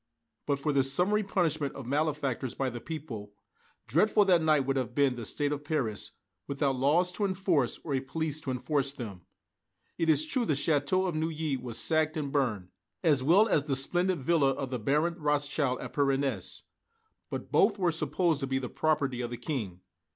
But for this summary punishment of malefactors by the people, dreadful that night would have been the state of Paris, without laws to enforce or a police to enforce them. It is true the Château of Neuilly was sacked and burned, as well as the splendid villa of the Baron Rothschild at Parennes; but both were supposed to be the property of the King.